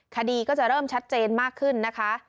คดีก็จะเริ่มชัดเจนมากขึ้นนะคะ